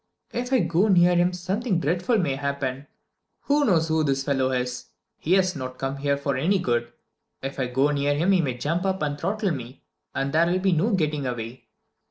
If I go near him something dreadful may happen. Who knows who the fellow is? He has not come here for any good. If I go near him he may jump up and throttle me, and there will be no getting away.